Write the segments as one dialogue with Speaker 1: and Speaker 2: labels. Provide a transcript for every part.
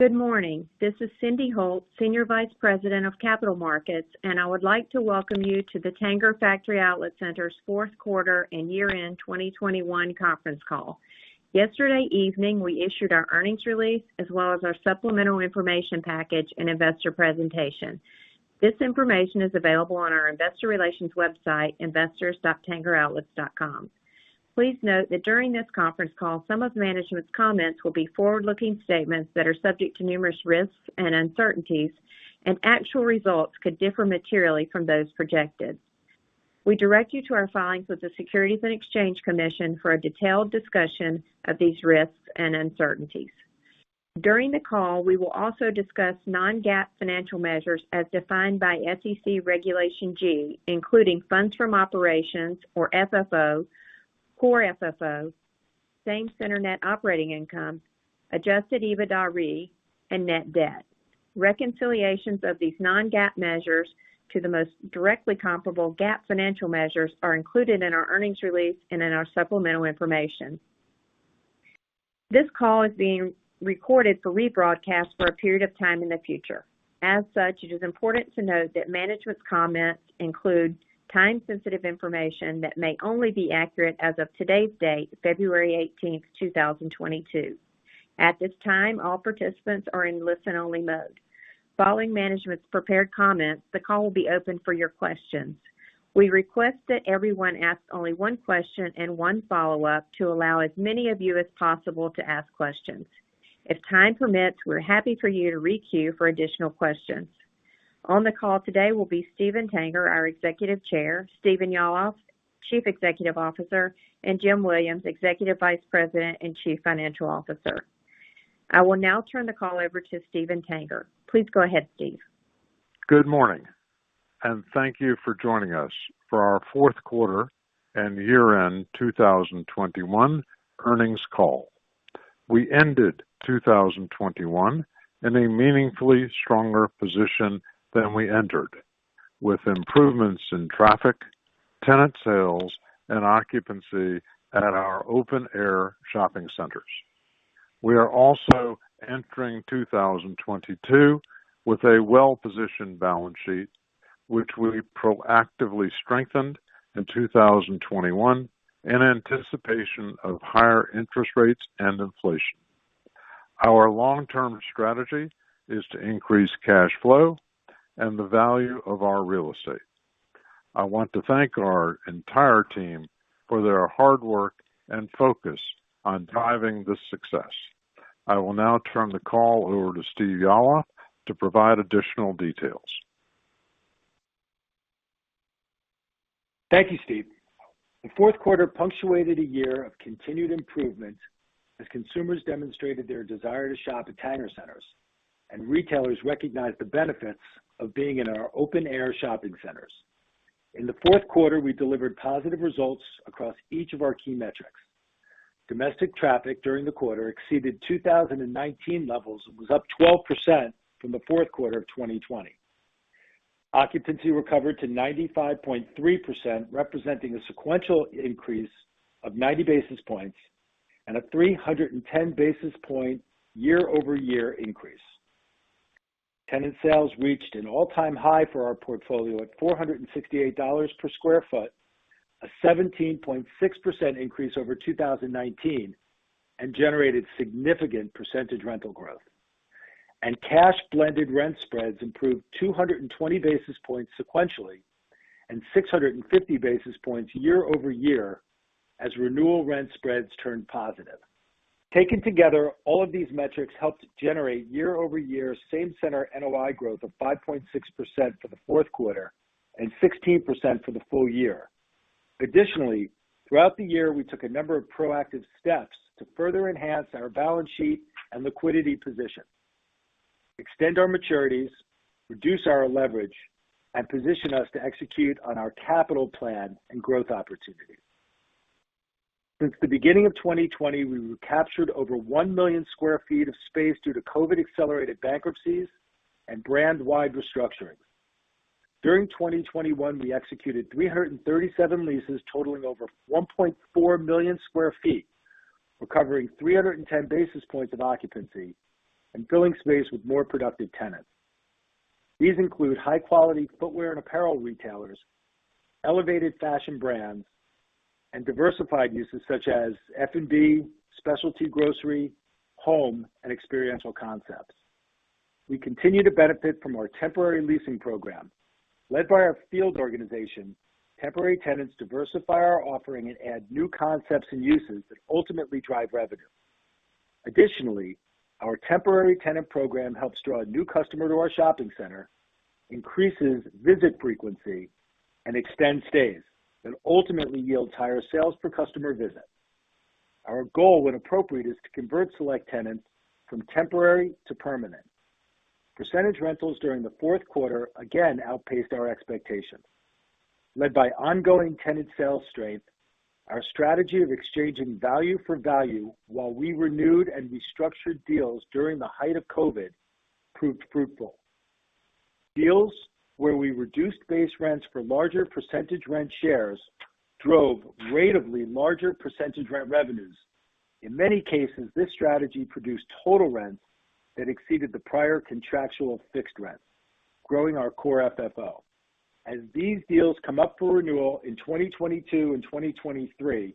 Speaker 1: Good morning. This is Cyndi Holt, Senior Vice President of Capital Markets, and I would like to welcome you to the Tanger Factory Outlet Centers' fourth quarter and year-end 2021 conference call. Yesterday evening, we issued our earnings release as well as our supplemental information package and investor presentation. This information is available on our investor relations website, investors.tangeroutlets.com. Please note that during this conference call, some of management's comments will be forward-looking statements that are subject to numerous risks and uncertainties, and actual results could differ materially from those projected. We direct you to our filings with the Securities and Exchange Commission for a detailed discussion of these risks and uncertainties. During the call, we will also discuss non-GAAP financial measures as defined by SEC Regulation G, including funds from operations or FFO, core FFO, same-center net operating income, adjusted EBITDAre, and net debt. Reconciliations of these non-GAAP measures to the most directly comparable GAAP financial measures are included in our earnings release and in our supplemental information. This call is being recorded for rebroadcast for a period of time in the future. As such, it is important to note that management's comments include time-sensitive information that may only be accurate as of today's date, February 18th, 2022. At this time, all participants are in listen-only mode. Following management's prepared comments, the call will be open for your questions. We request that everyone asks only one question and one follow-up to allow as many of you as possible to ask questions. If time permits, we're happy for you to re-queue for additional questions. On the call today will be Steven Tanger, our Executive Chair, Stephen Yalof, Chief Executive Officer, and Jim Williams, Executive Vice President and Chief Financial Officer. I will now turn the call over to Steven Tanger. Please go ahead, Steve.
Speaker 2: Good morning, and thank you for joining us for our fourth quarter and year-end 2021 earnings call. We ended 2021 in a meaningfully stronger position than we entered, with improvements in traffic, tenant sales, and occupancy at our open-air shopping centers. We are also entering 2022 with a well-positioned balance sheet, which we proactively strengthened in 2021 in anticipation of higher interest rates and inflation. Our long-term strategy is to increase cash flow and the value of our real estate. I want to thank our entire team for their hard work and focus on driving this success. I will now turn the call over to Stephen Yalof to provide additional details.
Speaker 3: Thank you, Steven. The fourth quarter punctuated a year of continued improvement as consumers demonstrated their desire to shop at Tanger centers and retailers recognized the benefits of being in our open-air shopping centers. In the fourth quarter, we delivered positive results across each of our key metrics. Domestic traffic during the quarter exceeded 2019 levels and was up 12% from the fourth quarter of 2020. Occupancy recovered to 95.3%, representing a sequential increase of 90 basis points and a 310 basis point year-over-year increase. Tenant sales reached an all-time high for our portfolio at $468 per square foot, a 17.6% increase over 2019, and generated significant percentage rental growth. Cash blended rent spreads improved 220 basis points sequentially and 650 basis points year-over-year as renewal rent spreads turned positive. Taken together, all of these metrics helped generate year-over-year same-center NOI growth of 5.6% for the fourth quarter and 16% for the full year. Additionally, throughout the year, we took a number of proactive steps to further enhance our balance sheet and liquidity position, extend our maturities, reduce our leverage, and position us to execute on our capital plan and growth opportunities. Since the beginning of 2020, we recaptured over 1 million sq ft of space due to COVID-accelerated bankruptcies and brand-wide restructuring. During 2021, we executed 337 leases totaling over 1.4 million sq ft, recovering 310 basis points of occupancy and filling space with more productive tenants. These include high-quality footwear and apparel retailers, elevated fashion brands, and diversified uses such as F&B, specialty grocery, home, and experiential concepts. We continue to benefit from our temporary leasing program. Led by our field organization, temporary tenants diversify our offering and add new concepts and uses that ultimately drive revenue. Additionally, our temporary tenant program helps draw a new customer to our shopping center, increases visit frequency, and extends stays that ultimately yield higher sales per customer visit. Our goal, when appropriate, is to convert select tenants from temporary to permanent. Percentage rentals during the fourth quarter again outpaced our expectations. Led by ongoing tenant sales strength, our strategy of exchanging value for value while we renewed and restructured deals during the height of COVID proved fruitful. Deals where we reduced base rents for larger percentage rent shares drove ratably larger percentage rent revenues. In many cases, this strategy produced total rents that exceeded the prior contractual fixed rent, growing our core FFO. As these deals come up for renewal in 2022 and 2023,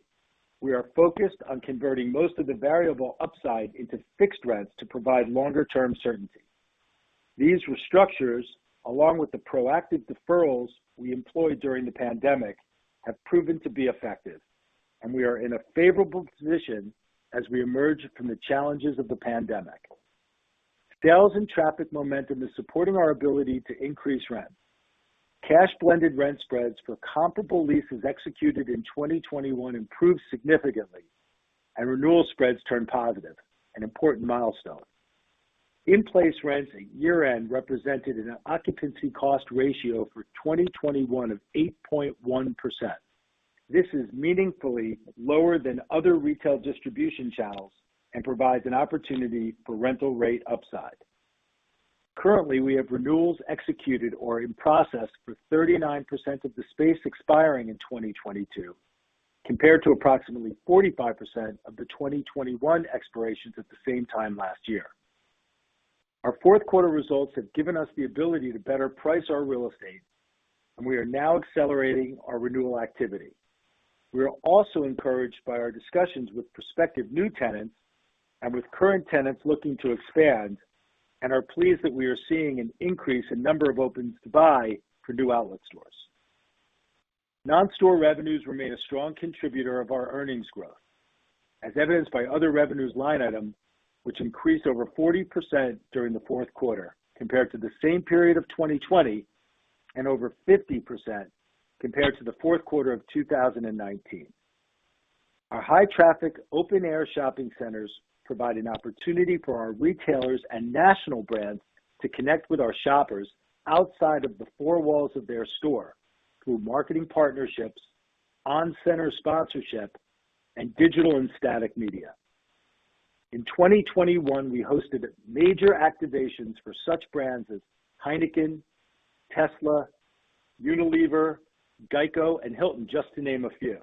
Speaker 3: we are focused on converting most of the variable upside into fixed rents to provide longer term certainty. These restructures, along with the proactive deferrals we employed during the pandemic, have proven to be effective, and we are in a favorable position as we emerge from the challenges of the pandemic. Sales and traffic momentum is supporting our ability to increase rent. Cash blended rent spreads for comparable leases executed in 2021 improved significantly, and renewal spreads turned positive, an important milestone. In-place rents at year-end represented an occupancy cost ratio for 2021 of 8.1%. This is meaningfully lower than other retail distribution channels and provides an opportunity for rental rate upside. Currently, we have renewals executed or in process for 39% of the space expiring in 2022, compared to approximately 45% of the 2021 expirations at the same time last year. Our fourth quarter results have given us the ability to better price our real estate, and we are now accelerating our renewal activity. We are also encouraged by our discussions with prospective new tenants and with current tenants looking to expand and are pleased that we are seeing an increase in number of opens to buy for new outlet stores. Non-store revenues remain a strong contributor of our earnings growth, as evidenced by other revenues line item, which increased over 40% during the fourth quarter compared to the same period of 2020 and over 50% compared to the fourth quarter of 2019. Our high traffic open-air shopping centers provide an opportunity for our retailers and national brands to connect with our shoppers outside of the four walls of their store through marketing partnerships, on-center sponsorship, and digital and static media. In 2021, we hosted major activations for such brands as Heineken, Tesla, Unilever, GEICO, and Hilton, just to name a few.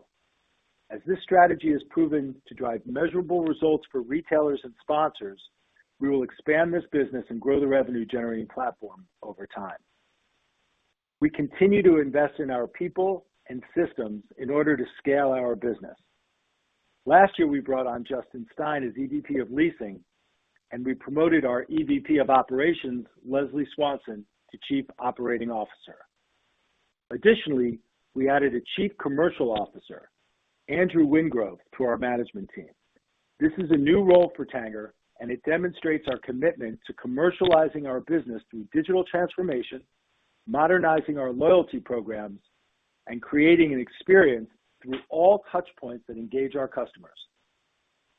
Speaker 3: As this strategy has proven to drive measurable results for retailers and sponsors, we will expand this business and grow the revenue generating platform over time. We continue to invest in our people and systems in order to scale our business. Last year, we brought on Justin Stein as EVP of Leasing, and we promoted our EVP of Operations, Leslie Swanson, to Chief Operating Officer. Additionally, we added a Chief Commercial Officer, Andrew Wingrove, to our management team. This is a new role for Tanger, and it demonstrates our commitment to commercializing our business through digital transformation, modernizing our loyalty programs, and creating an experience through all touch points that engage our customers.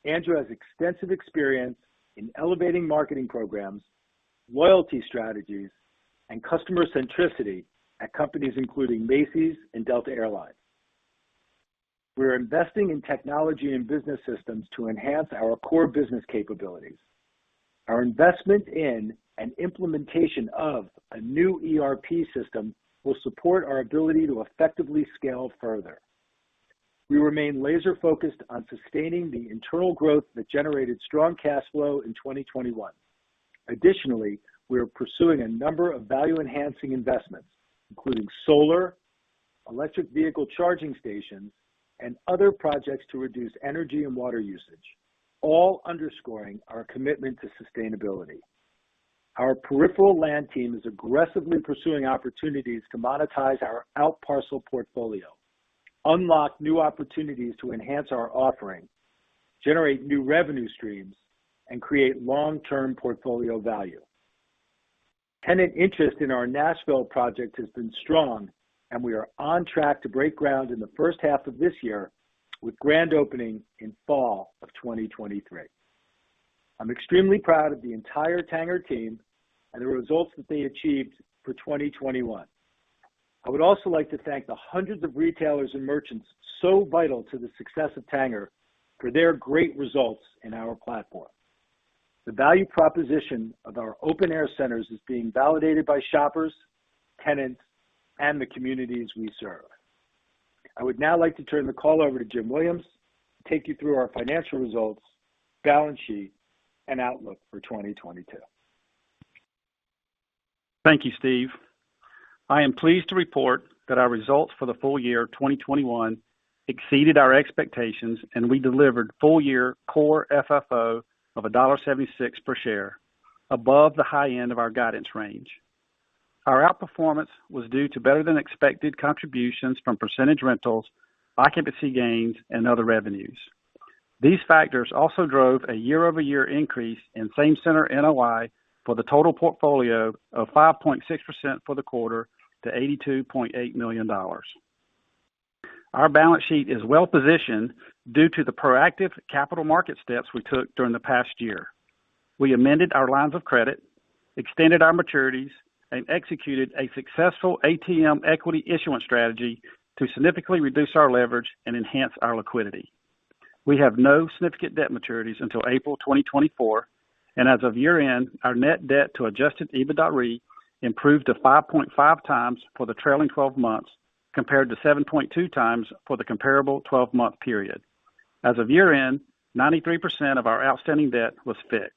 Speaker 3: Andrew has extensive experience in elevating marketing programs, loyalty strategies, and customer centricity at companies including Macy's and Delta Air Lines. We are investing in technology and business systems to enhance our core business capabilities. Our investment in and implementation of a new ERP system will support our ability to effectively scale further. We remain laser-focused on sustaining the internal growth that generated strong cash flow in 2021. Additionally, we are pursuing a number of value-enhancing investments, including solar, electric vehicle charging stations, and other projects to reduce energy and water usage, all underscoring our commitment to sustainability. Our peripheral land team is aggressively pursuing opportunities to monetize our out parcel portfolio, unlock new opportunities to enhance our offering, generate new revenue streams, and create long-term portfolio value. Tenant interest in our Nashville project has been strong, and we are on track to break ground in the first half of this year with grand opening in fall of 2023. I'm extremely proud of the entire Tanger team and the results that they achieved for 2021. I would also like to thank the hundreds of retailers and merchants so vital to the success of Tanger for their great results in our platform. The value proposition of our open-air centers is being validated by shoppers, tenants, and the communities we serve. I would now like to turn the call over to Jim Williams to take you through our financial results, balance sheet, and outlook for 2022.
Speaker 4: Thank you, Steve. I am pleased to report that our results for the full year of 2021 exceeded our expectations, and we delivered full-year core FFO of $1.76 per share, above the high end of our guidance range. Our outperformance was due to better than expected contributions from percentage rentals, occupancy gains, and other revenues. These factors also drove a year-over-year increase in same-center NOI for the total portfolio of 5.6% for the quarter to $82.8 million. Our balance sheet is well positioned due to the proactive capital market steps we took during the past year. We amended our lines of credit, extended our maturities, and executed a successful ATM equity issuance strategy to significantly reduce our leverage and enhance our liquidity. We have no significant debt maturities until April 2024, and as of year-end, our net debt to adjusted EBITDAre improved to 5.5x for the trailing 12 months compared to 7.2x for the comparable 12-month period. As of year-end, 93% of our outstanding debt was fixed.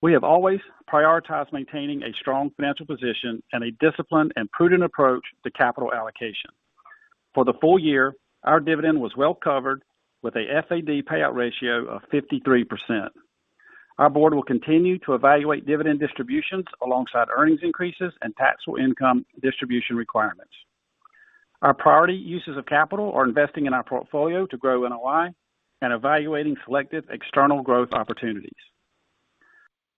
Speaker 4: We have always prioritized maintaining a strong financial position and a disciplined and prudent approach to capital allocation. For the full year, our dividend was well covered with a FAD payout ratio of 53%. Our board will continue to evaluate dividend distributions alongside earnings increases and taxable income distribution requirements. Our priority uses of capital are investing in our portfolio to grow NOI and evaluating selected external growth opportunities.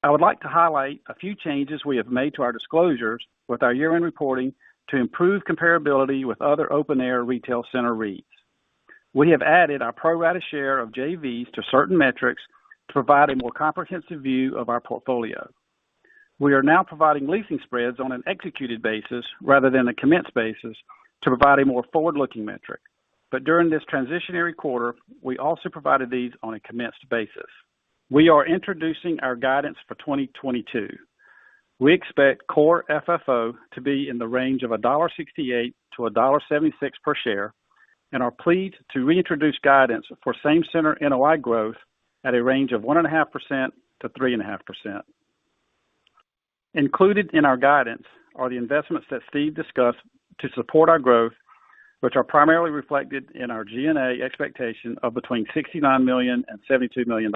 Speaker 4: I would like to highlight a few changes we have made to our disclosures with our year-end reporting to improve comparability with other open-air retail center REITs. We have added our pro rata share of JVs to certain metrics to provide a more comprehensive view of our portfolio. We are now providing leasing spreads on an executed basis rather than a commenced basis to provide a more forward-looking metric. During this transitionary quarter, we also provided these on a commenced basis. We are introducing our guidance for 2022. We expect core FFO to be in the range of $1.68-$1.76 per share, and are pleased to reintroduce guidance for same-center NOI growth at a range of 1.5%-3.5%. Included in our guidance are the investments that Steve discussed to support our growth, which are primarily reflected in our G&A expectation of between $69 million and $72 million.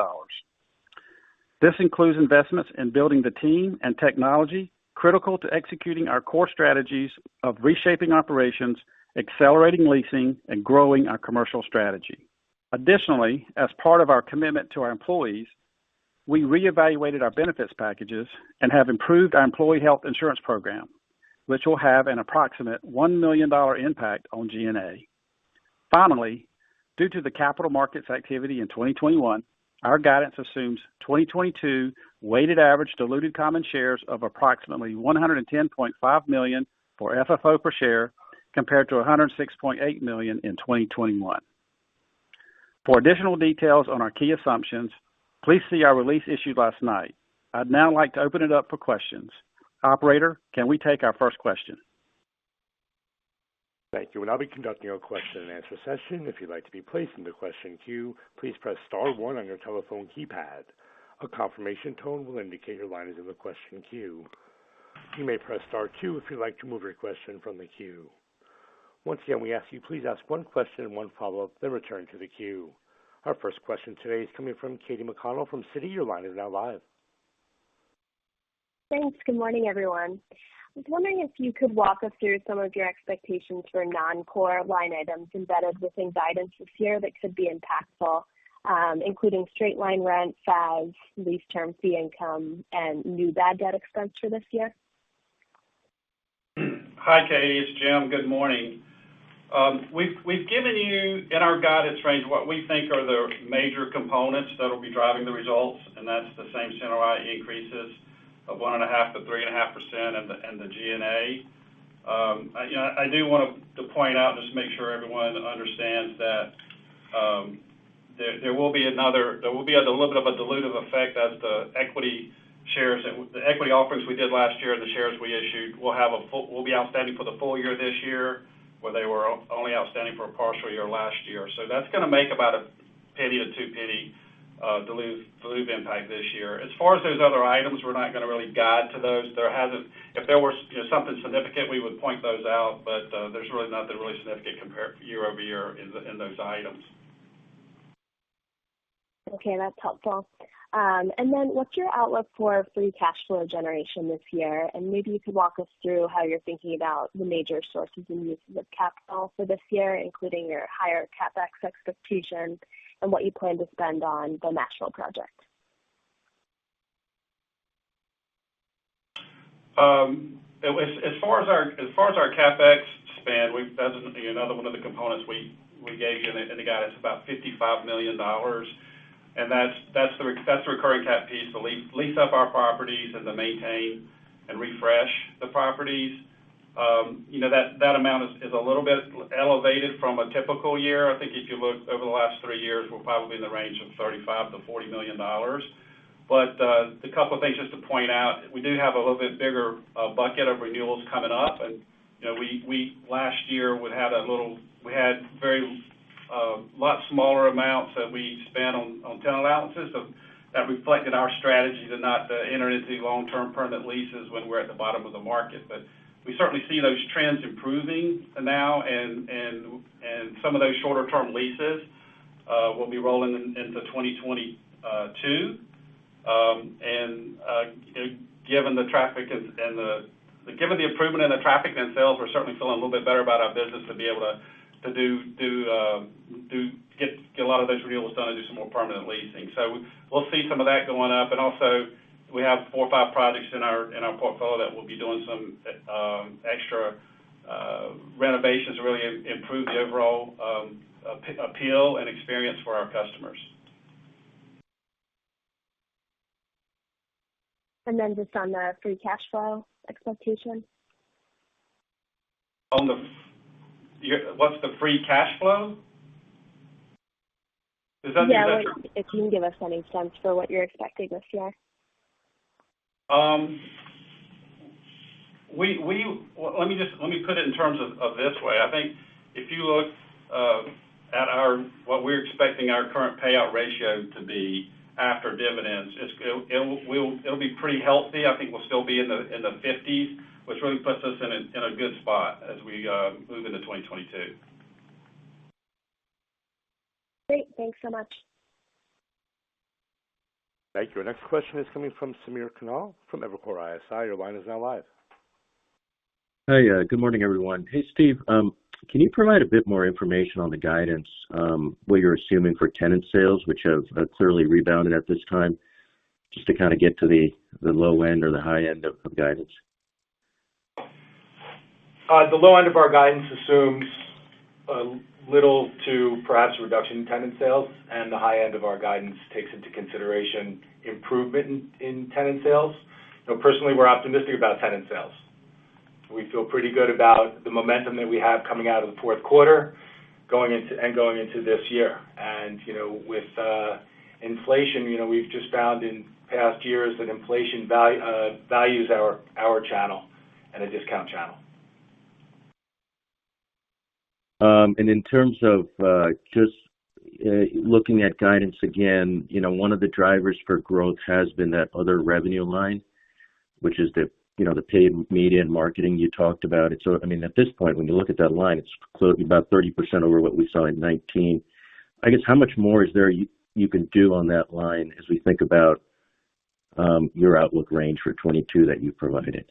Speaker 4: This includes investments in building the team and technology critical to executing our core strategies of reshaping operations, accelerating leasing, and growing our commercial strategy. Additionally, as part of our commitment to our employees, we reevaluated our benefits packages and have improved our employee health insurance program, which will have an approximate $1 million impact on G&A. Finally, due to the capital markets activity in 2021, our guidance assumes 2022 weighted average diluted common shares of approximately 110.5 million for FFO per share compared to 106.8 million in 2021. For additional details on our key assumptions, please see our release issued last night. I'd now like to open it up for questions. Operator, can we take our first question?
Speaker 5: Thank you. I'll be conducting your question-and-answer session. If you'd like to be placed into question queue, please press star one on your telephone keypad. A confirmation tone will indicate your line is in the question queue. You may press star two if you'd like to move your question from the queue. Once again, we ask you please ask one question and one follow-up, then return to the queue. Our first question today is coming from Katy McConnell from Citi. Your line is now live.
Speaker 6: Thanks. Good morning, everyone. I was wondering if you could walk us through some of your expectations for non-core line items embedded within guidance this year that could be impactful, including straight-line rent, FAS, lease termination fee income, and net bad debt expense for this year.
Speaker 4: Hi, Katy, it's Jim. Good morning. We've given you in our guidance range what we think are the major components that'll be driving the results, and that's the same-center NOI increases of 1.5% to 3.5% and the G&A. You know, I do want to point out, just make sure everyone understands that, there will be a little bit of a dilutive effect as the equity offerings we did last year and the shares we issued will be outstanding for the full year this year, where they were only outstanding for a partial year last year. That's gonna make about a $0.01 or $0.02 dilutive impact this year. As far as those other items, we're not gonna really guide to those. You know, if there were something significant, we would point those out. There's really nothing really significant compared year over year in those items.
Speaker 6: Okay, that's helpful. What's your outlook for free cash flow generation this year? Maybe you could walk us through how you're thinking about the major sources and uses of capital for this year, including your higher CapEx expectations and what you plan to spend on the Nashville project?
Speaker 4: As far as our CapEx spend, that's another one of the components we gave you in the guidance, about $55 million. That's the recurring CapEx piece to lease up our properties and to maintain and refresh the properties. You know, that amount is a little bit elevated from a typical year. I think if you look over the last three years, we're probably in the range of $35 million-$40 million. The couple of things just to point out, we do have a little bit bigger bucket of renewals coming up. You know, we last year had a lot smaller amounts that we spent on tenant allowances. That reflected our strategy to not enter into long-term permanent leases when we're at the bottom of the market. We certainly see those trends improving now and some of those shorter-term leases will be rolling into 2022. You know, given the improvement in the traffic themselves, we're certainly feeling a little bit better about our business to be able to get a lot of those renewals done and do some more permanent leasing. We'll see some of that going up. Also we have four or five projects in our portfolio that we'll be doing some extra renovations to really improve the overall appeal and experience for our customers.
Speaker 6: Just on the free cash flow expectation.
Speaker 4: What's the free cash flow? Is that the measure?
Speaker 6: Yeah. Like if you can give us any sense for what you're expecting this year.
Speaker 4: Let me put it in terms of this way. I think if you look at what we're expecting our current payout ratio to be after dividends, it'll be pretty healthy. I think we'll still be in the 50s, which really puts us in a good spot as we move into 2022.
Speaker 6: Great. Thanks so much.
Speaker 5: Thank you. Our next question is coming from Samir Khanal from Evercore ISI. Your line is now live. Hey. Good morning, everyone. Hey, Steve. Can you provide a bit more information on the guidance, what you're assuming for tenant sales, which have clearly rebounded at this time, just to kind of get to the low end or the high end of guidance?
Speaker 3: The low end of our guidance assumes little to no reduction in tenant sales, and the high end of our guidance takes into consideration improvement in tenant sales. You know, personally, we're optimistic about tenant sales. We feel pretty good about the momentum that we have coming out of the fourth quarter, going into this year. You know, with inflation, you know, we've just found in past years that inflation values our channel and a discount channel.
Speaker 7: In terms of just looking at guidance again, you know, one of the drivers for growth has been that other revenue line, which is the, you know, the paid media and marketing you talked about. It's, I mean, at this point, when you look at that line, it's clearly about 30% over what we saw in 2019. I guess how much more is there you can do on that line as we think about your outlook range for 2022 that you provided?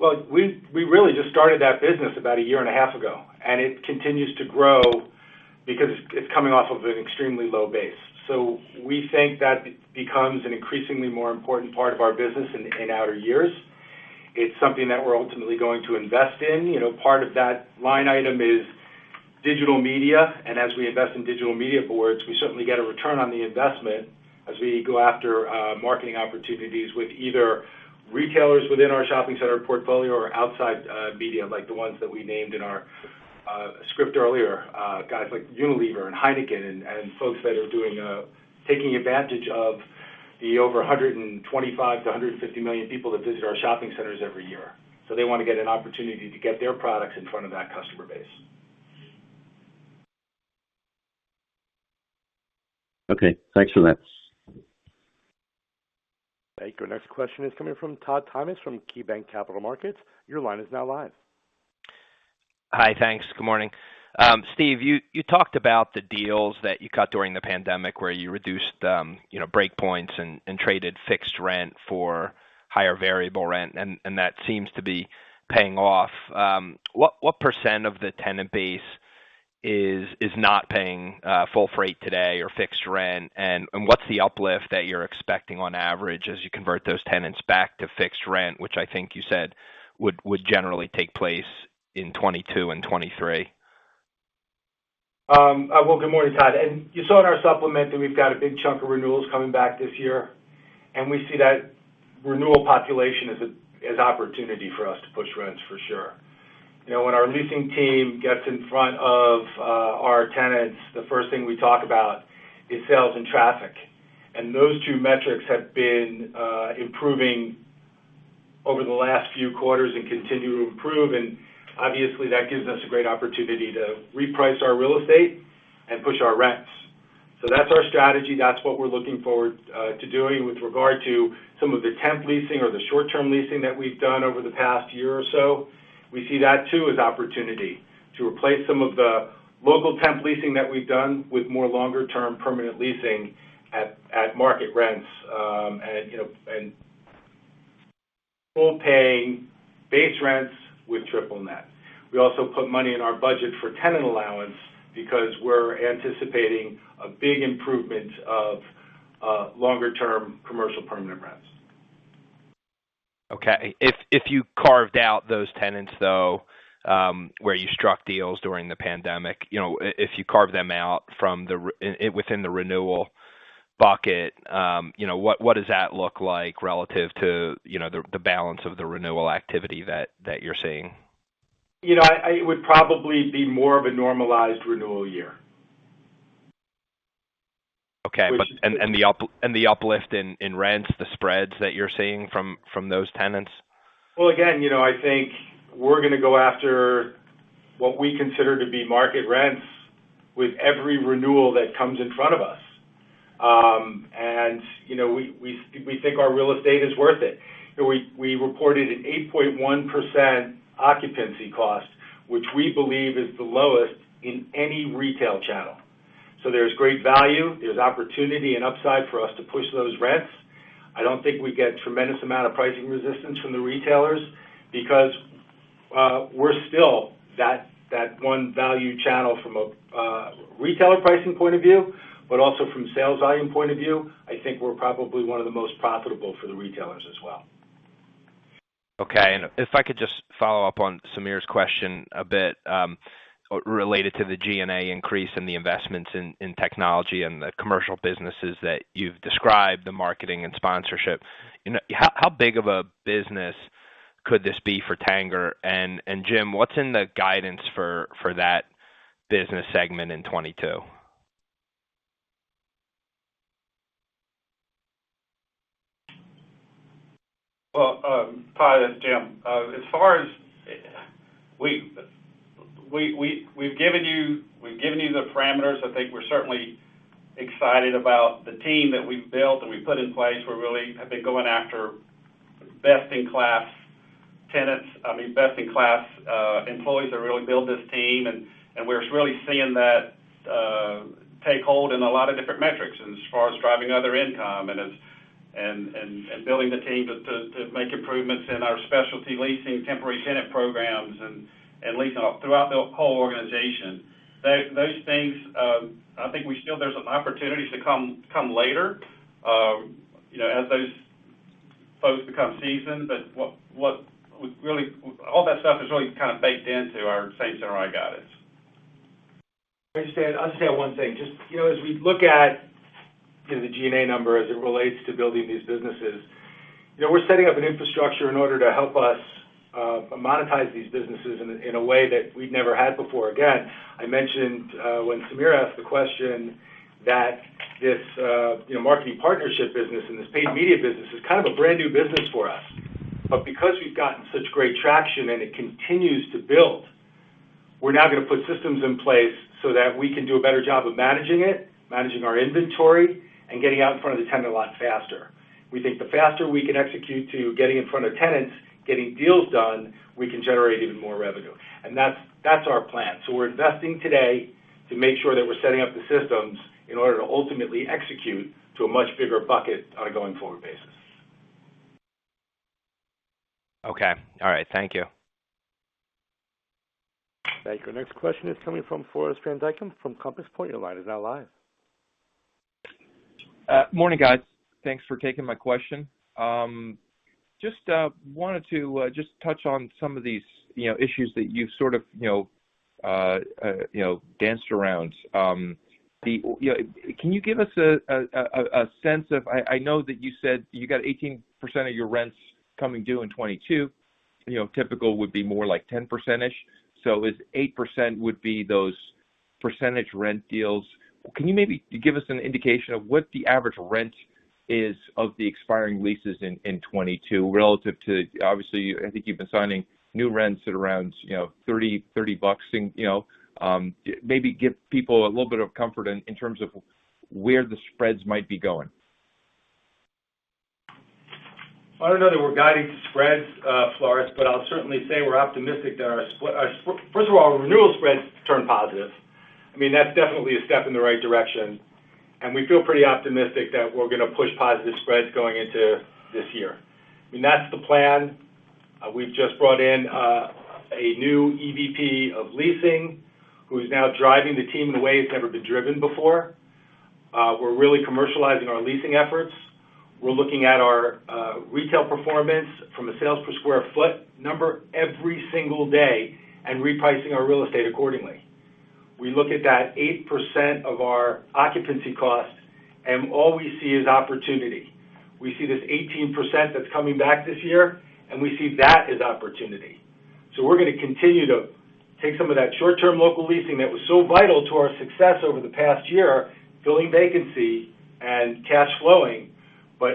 Speaker 3: Well, we really just started that business about a year and a half ago, and it continues to grow because it's coming off of an extremely low base. We think that becomes an increasingly more important part of our business in outer years. It's something that we're ultimately going to invest in. You know, part of that line item is digital media, and as we invest in digital media boards, we certainly get a return on the investment as we go after marketing opportunities with either retailers within our shopping center portfolio or outside media, like the ones that we named in our script earlier, guys like Unilever and Heineken and folks that are doing taking advantage of the over 125 million-150 million people that visit our shopping centers every year. They wanna get an opportunity to get their products in front of that customer base.
Speaker 7: Okay, thanks for that.
Speaker 5: Thank you. Our next question is coming from Todd Thomas from KeyBanc Capital Markets. Your line is now live. Hi. Thanks. Good morning. Steve, you talked about the deals that you cut during the pandemic where you reduced you know break points and traded fixed rent for higher variable rent, and that seems to be paying off. What % of the tenant base is not paying full freight today or fixed rent? What's the uplift that you're expecting on average as you convert those tenants back to fixed rent, which I think you said would generally take place in 2022 and 2023?
Speaker 3: Well, good morning, Todd. You saw in our supplement that we've got a big chunk of renewals coming back this year, and we see that renewal population as an opportunity for us to push rents for sure. You know, when our leasing team gets in front of our tenants, the first thing we talk about is sales and traffic. Those two metrics have been improving over the last few quarters and continue to improve. Obviously that gives us a great opportunity to reprice our real estate and push our rents. That's our strategy. That's what we're looking forward to doing with regard to some of the temp leasing or the short term leasing that we've done over the past year or so. We see that too as opportunity to replace some of the local temp leasing that we've done with more longer term permanent leasing at market rents, you know, and full paying base rents with triple net. We also put money in our budget for tenant allowance because we're anticipating a big improvement of longer term commercial permanent rents.
Speaker 8: Okay. If you carved out those tenants, though, where you struck deals during the pandemic, you know, if you carve them out from within the renewal bucket, you know, what does that look like relative to, you know, the balance of the renewal activity that you're seeing?
Speaker 3: You know, it would probably be more of a normalized renewal year.
Speaker 8: Okay.
Speaker 3: Which-
Speaker 8: The uplift in rents, the spreads that you're seeing from those tenants?
Speaker 3: Well, again, you know, I think we're gonna go after what we consider to be market rents with every renewal that comes in front of us. You know, we think our real estate is worth it. We reported an 8.1% occupancy cost, which we believe is the lowest in any retail channel. So there's great value. There's opportunity and upside for us to push those rents. I don't think we get tremendous amount of pricing resistance from the retailers because we're still that one value channel from a retailer pricing point of view, but also from sales volume point of view, I think we're probably one of the most profitable for the retailers as well.
Speaker 8: Okay. If I could just follow up on Samir's question a bit, related to the G&A increase in the investments in technology and the commercial businesses that you've described, the marketing and sponsorship. You know, how big of a business could this be for Tanger? And Jim, what's in the guidance for that business segment in 2022?
Speaker 4: Well, hi, it's Jim. As far as we've given you the parameters. I think we're certainly excited about the team that we've built and we put in place. We've really been going after best-in-class tenants, I mean, best-in-class employees that really build this team. We're really seeing that take hold in a lot of different metrics as far as driving other income and building the team to make improvements in our specialty leasing temporary tenant programs and leasing out throughout the whole organization. Those things, I think there's still some opportunities to come later, you know, as those folks become seasoned. What really all that stuff is really kind of baked into our same center guide.
Speaker 3: Can I just add? I'll just add one thing. Just, you know, as we look at, you know, the G&A number as it relates to building these businesses, you know, we're setting up an infrastructure in order to help us monetize these businesses in a way that we'd never had before. Again, I mentioned when Samir asked the question that this, you know, marketing partnership business and this paid media business is kind of a brand-new business for us. But because we've gotten such great traction and it continues to build, we're now gonna put systems in place so that we can do a better job of managing it, managing our inventory, and getting out in front of the tenant a lot faster. We think the faster we can execute to getting in front of tenants, getting deals done, we can generate even more revenue. That's our plan. We're investing today to make sure that we're setting up the systems in order to ultimately execute to a much bigger bucket on a going forward basis.
Speaker 8: Okay. All right. Thank you.
Speaker 5: Thank you. Next question is coming from Floris van Dijkum from Compass Point. Your line is now live. Morning, guys. Thanks for taking my question. Just wanted to just touch on some of these, you know, issues that you sort of, you know, you know, danced around. You know, can you give us a sense of. I know that you said you got 18% of your rents coming due in 2022. You know, typical would be more like 10%ish. If 8% would be those percentage rent deals, can you maybe give us an indication of what the average rent is of the expiring leases in 2022 relative to. Obviously, I think you've been signing new rents at around, you know, $30. You know, maybe give people a little bit of comfort in terms of where the spreads might be going.
Speaker 3: I don't know that we're guiding spreads, Floris, but I'll certainly say we're optimistic that our renewal spreads turn positive. I mean, that's definitely a step in the right direction, and we feel pretty optimistic that we're gonna push positive spreads going into this year. I mean, that's the plan. We've just brought in a new EVP of leasing who's now driving the team in a way it's never been driven before. We're really commercializing our leasing efforts. We're looking at our retail performance from a sales per square foot number every single day and repricing our real estate accordingly. We look at that 8% of our occupancy costs, and all we see is opportunity. We see this 18% that's coming back this year, and we see that as opportunity. We're gonna continue to take some of that short-term local leasing that was so vital to our success over the past year, filling vacancy and cash flowing.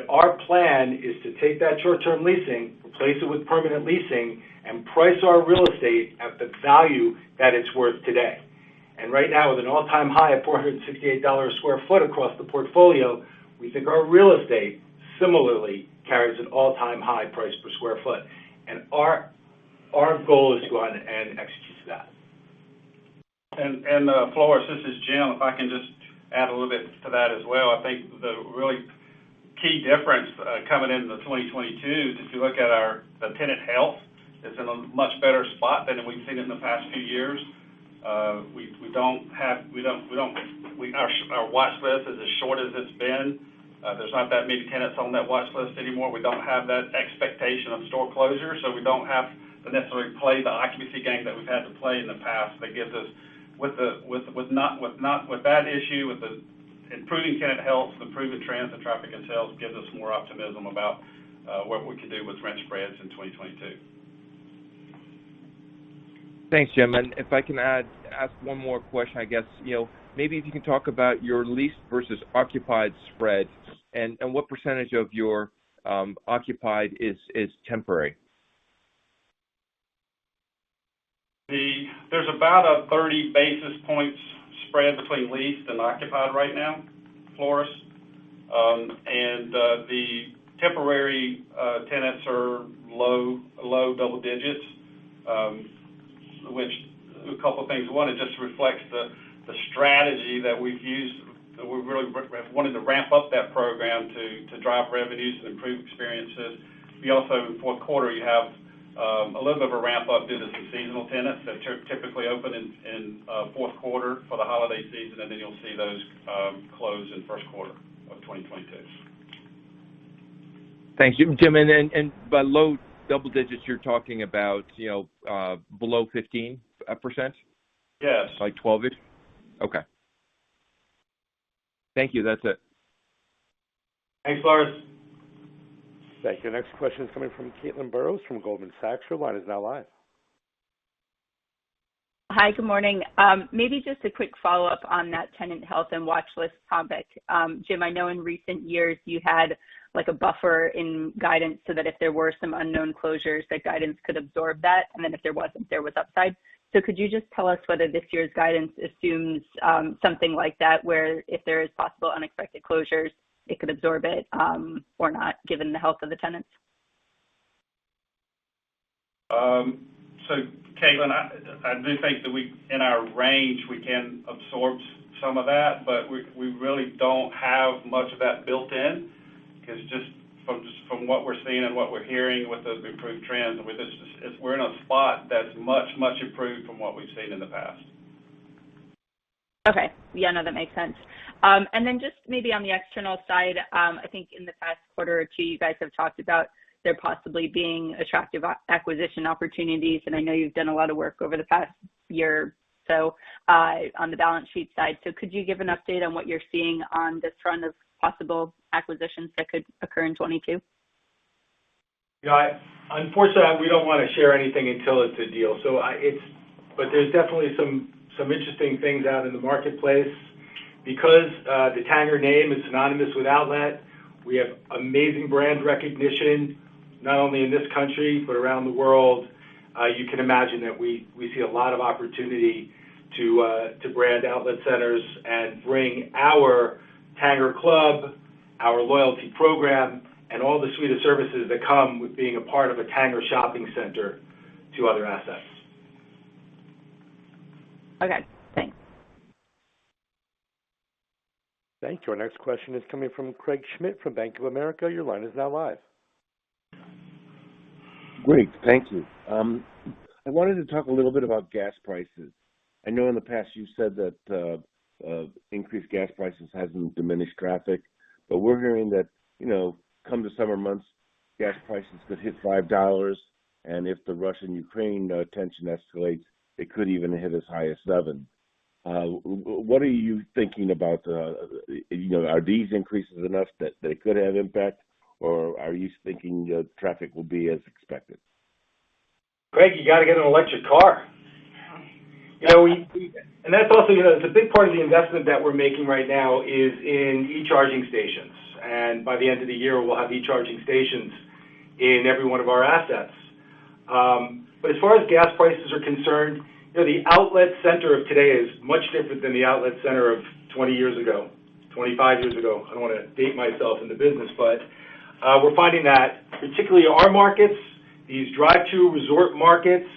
Speaker 3: Our plan is to take that short-term leasing, replace it with permanent leasing, and price our real estate at the value that it's worth today. Right now, with an all-time high of $468 per square foot across the portfolio, we think our real estate similarly carries an all-time high price per square foot. Our goal is to go out and execute to that.
Speaker 4: Floris, this is Jim. If I can just add a little bit to that as well. I think the really key difference coming into 2022 is if you look at our tenant health, it's in a much better spot than we've seen in the past few years. Our watch list is as short as it's been. There's not that many tenants on that watch list anymore. We don't have that expectation of store closure, so we don't have to necessarily play the occupancy game that we've had to play in the past. That gives us, with that issue, with the improving tenant health, improving trends in traffic and sales, more optimism about what we can do with rent spreads in 2022.
Speaker 9: Thanks, Jim. If I can ask one more question, I guess, you know, maybe if you can talk about your leased versus occupied spread and what percentage of your occupied is temporary?
Speaker 4: There's about a 30 basis points spread between leased and occupied right now, Floris. The temporary tenants are low double digits, which a couple of things. One, it just reflects the strategy that we've used. We really wanted to ramp up that program to drive revenues and improve experiences. We also, in fourth quarter, you have, a little bit of a ramp up business of seasonal tenants that typically open in fourth quarter for the holiday season, and then you'll see those close in first quarter of 2022.
Speaker 9: Thank you, Jim. By low double digits, you're talking about, you know, below 15%?
Speaker 4: Yes.
Speaker 9: Like 12%-ish? Okay. Thank you. That's it.
Speaker 4: Thanks, Floris.
Speaker 5: Thank you. Next question is coming from Caitlin Burrows from Goldman Sachs. Your line is now live. Hi. Good morning. Maybe just a quick follow-up on that tenant health and watchlist topic. Jim, I know in recent years you had, like, a buffer in guidance so that if there were some unknown closures, that guidance could absorb that, and then if there wasn't, there was upside. Could you just tell us whether this year's guidance assumes something like that, where if there is possible unexpected closures, it could absorb it, or not, given the health of the tenants?
Speaker 4: Caitlin, I do think in our range we can absorb some of that, but we really don't have much of that built in because just from what we're seeing and what we're hearing with those improved trends, we're in a spot that's much improved from what we've seen in the past.
Speaker 10: Okay. Yeah, no, that makes sense. Just maybe on the external side, I think in the past quarter or two, you guys have talked about there possibly being attractive acquisition opportunities, and I know you've done a lot of work over the past year or so, on the balance sheet side. Could you give an update on what you're seeing on this front of possible acquisitions that could occur in 2022?
Speaker 3: Yeah, unfortunately, we don't wanna share anything until it's a deal. There's definitely some interesting things out in the marketplace. Because, the Tanger name is synonymous with outlet, we have amazing brand recognition, not only in this country, but around the world. You can imagine that we see a lot of opportunity to brand outlet centers and bring our TangerClub, our loyalty program, and all the suite of services that come with being a part of a Tanger shopping center to other assets.
Speaker 10: Okay. Thanks.
Speaker 5: Thank you. Our next question is coming from Craig Schmidt from Bank of America. Your line is now live. Great. Thank you. I wanted to talk a little bit about gas prices. I know in the past you said that increased gas prices hasn't diminished traffic. We're hearing that, you know, come the summer months, gas prices could hit $5, and if the Russia-Ukraine tension escalates, it could even hit as high as $7. What are you thinking about, you know, are these increases enough that they could have impact, or are you thinking that traffic will be as expected?
Speaker 3: Craig, you gotta get an electric car. It's a big part of the investment that we're making right now is in e-charging stations. By the end of the year, we'll have e-charging stations in every one of our assets. But as far as gas prices are concerned, the outlet center of today is much different than the outlet center of 20 years ago, 25 years ago. I don't wanna date myself in the business, but we're finding that particularly our markets, these drive to resort markets,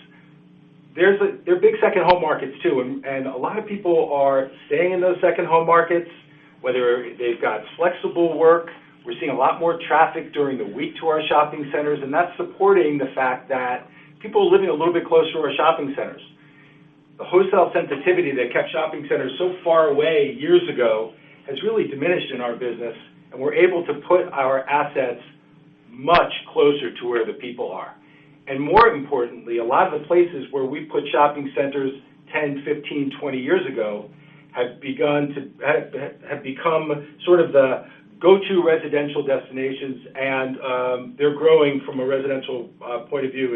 Speaker 3: they're big second home markets, too, and a lot of people are staying in those second home markets, whether they've got flexible work. We're seeing a lot more traffic during the week to our shopping centers, and that's supporting the fact that people are living a little bit closer to our shopping centers. The wholesale sensitivity that kept shopping centers so far away years ago has really diminished in our business, and we're able to put our assets much closer to where the people are. More importantly, a lot of the places where we put shopping centers 10, 15, 20 years ago have begun to have become sort of the go-to residential destinations, and they're growing from a residential point of view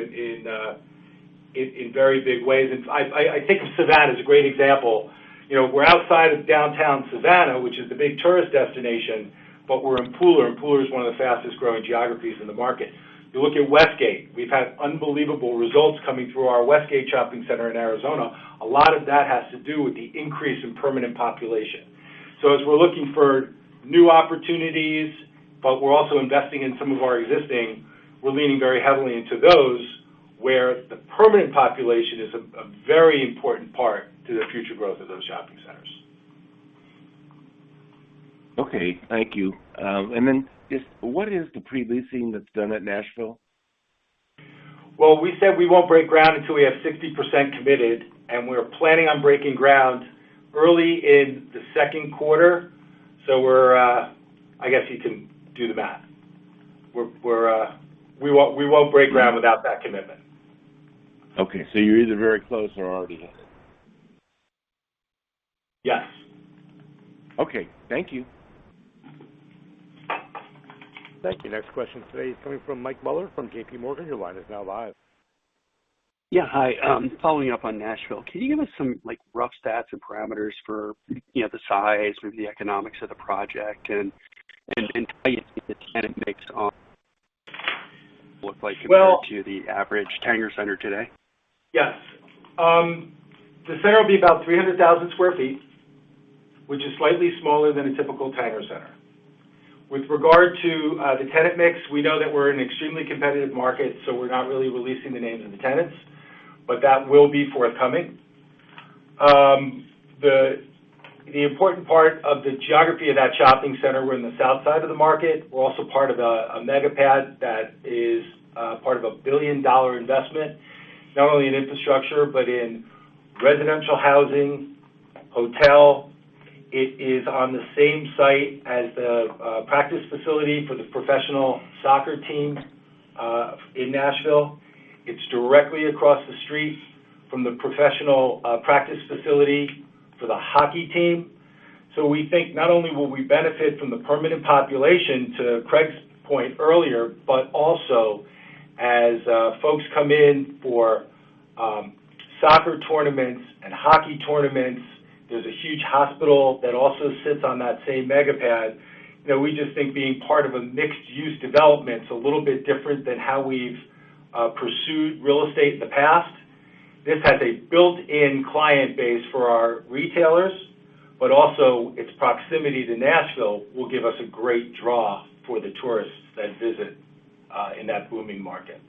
Speaker 3: in very big ways. I think of Savannah as a great example. You know, we're outside of downtown Savannah, which is the big tourist destination, but we're in Pooler, and Pooler is one of the fastest growing geographies in the market. You look at Westgate, we've had unbelievable results coming through our Westgate shopping center in Arizona. A lot of that has to do with the increase in permanent population. As we're looking for new opportunities, but we're also investing in some of our existing, we're leaning very heavily into those, where the permanent population is a very important part to the future growth of those shopping centers.
Speaker 11: Okay. Thank you. Just what is the pre-leasing that's done at Nashville?
Speaker 3: Well, we said we won't break ground until we have 60% committed, and we're planning on breaking ground early in the second quarter. We're, I guess you can do the math. We won't break ground without that commitment.
Speaker 11: Okay. You're either very close or already there.
Speaker 3: Yes.
Speaker 11: Okay. Thank you.
Speaker 5: Thank you. Next question today is coming from Mike Mueller from JPMorgan. Your line is now live. Yeah. Hi. Following up on Nashville, can you give us some, like, rough stats and parameters for, you know, the size or the economics of the project and how you think the tenant mix will look like compared to the average Tanger center today?
Speaker 3: Yes. The center will be about 300,000 sq ft, which is slightly smaller than a typical Tanger center. With regard to the tenant mix, we know that we're in an extremely competitive market, so we're not really releasing the names of the tenants, but that will be forthcoming. The important part of the geography of that shopping center, we're in the south side of the market. We're also part of a mega pad that is part of a billion-dollar investment, not only in infrastructure but in residential housing, hotel. It is on the same site as the practice facility for the professional soccer team in Nashville. It's directly across the street from the professional practice facility for the hockey team. We think not only will we benefit from the permanent population, to Craig's point earlier, but also as folks come in for soccer tournaments and hockey tournaments, there's a huge hospital that also sits on that same mega pad that we just think being part of a mixed-use development is a little bit different than how we've pursued real estate in the past. This has a built-in client base for our retailers, but also its proximity to Nashville will give us a great draw for the tourists that visit in that booming market.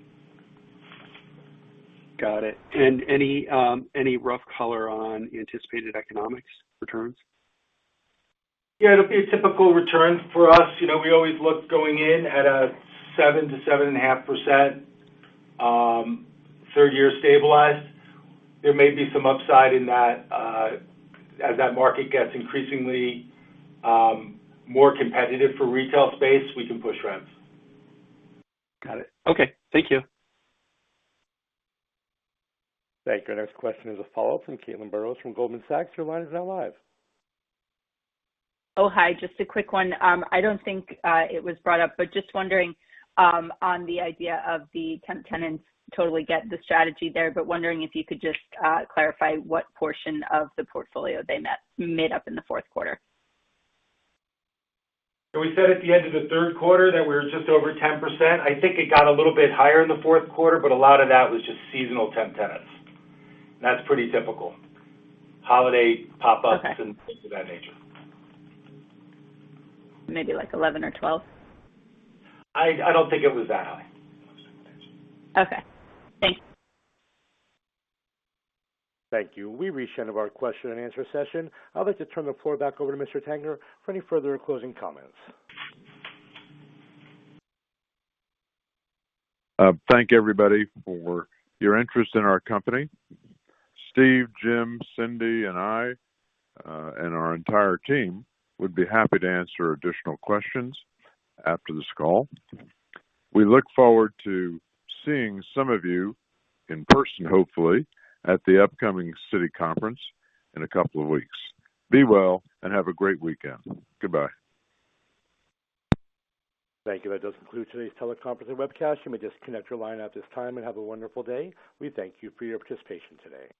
Speaker 12: Got it. Any rough color on anticipated economic returns?
Speaker 3: Yeah. It'll be a typical return for us. You know, we always look going in at 7%-7.5%, third year stabilized. There may be some upside in that, as that market gets increasingly more competitive for retail space, we can push rents.
Speaker 12: Got it. Okay. Thank you.
Speaker 5: Thank you. Our next question is a follow-up from Caitlin Burrows from Goldman Sachs. Your line is now live. Just a quick one. I don't think it was brought up, but just wondering on the idea of the temp tenants, totally get the strategy there, but wondering if you could just clarify what portion of the portfolio they made up in the fourth quarter.
Speaker 3: We said at the end of the third quarter that we were just over 10%. I think it got a little bit higher in the fourth quarter, but a lot of that was just seasonal temp tenants. That's pretty typical. Holiday pop-ups.
Speaker 10: Okay.
Speaker 3: Things of that nature.
Speaker 10: Maybe like 11% or 12%?
Speaker 3: I don't think it was that high.
Speaker 10: Okay. Thanks.
Speaker 5: Thank you. We've reached the end of our question and answer session. I'd like to turn the floor back over to Mr. Tanger for any further closing comments.
Speaker 2: Thank everybody for your interest in our company. Steve, Jim, Cyndi, and I, and our entire team would be happy to answer additional questions after this call. We look forward to seeing some of you in person, hopefully, at the upcoming Citi conference in a couple of weeks. Be well and have a great weekend. Goodbye.
Speaker 5: Thank you. That does conclude today's teleconference and webcast. You may disconnect your line at this time and have a wonderful day. We thank you for your participation today.